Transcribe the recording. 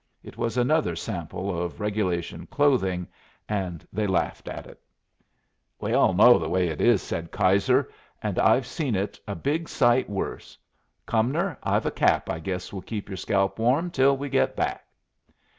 It was another sample of regulation clothing, and they laughed at it. "We all know the way it is," said Keyser, "and I've seen it a big sight worse. Cumnor, I've a cap I guess will keep your scalp warm till we get back."